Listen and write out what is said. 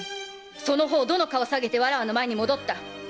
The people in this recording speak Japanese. その方どの顔さげてわらわの前に戻った⁉